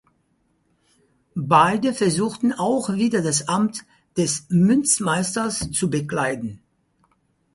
Beide versuchten auch wieder das Amt des Münzmeisters zu bekleiden.